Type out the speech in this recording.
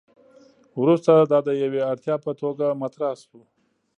وروسته دا د یوې اړتیا په توګه مطرح شو.